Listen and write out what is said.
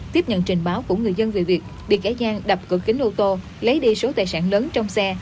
tiếp nhận trình báo của người dân về việc bị kẻ gian đập cửa kính ô tô lấy đi số tài sản lớn trong xe